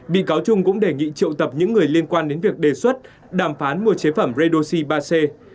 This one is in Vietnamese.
bị cáo trung cũng đề nghị triệu tập những người liên quan đến việc đề xuất đàm phán mua chế phẩm redoxi ba c